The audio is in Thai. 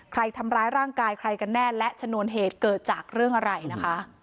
ทำร้ายร่างกายใครกันแน่และชนวนเหตุเกิดจากเรื่องอะไรนะคะ